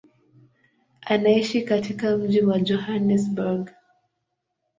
Anaishi katika mji wa Johannesburg.